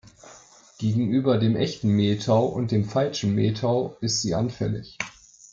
Gegenüber dem Echten Mehltau und dem Falschen Mehltau ist sie anfällig.